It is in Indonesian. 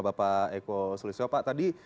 bapak eko sulistyo pak tadi